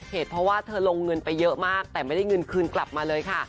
เหตุเพราะว่าเธอลงเงินไปเยอะมากแต่ไม่ได้เงินคืนกลับมาเลยค่ะ